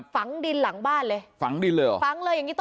ฝังดินหลังบ้านเลย